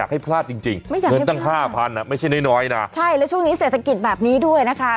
เคี้ยงตั้งค่าพันนะไม่ใช่ในน้อยใช่แล้วช่วงนี้เศรษฐกิจแบบนี้ด้วยนะคะ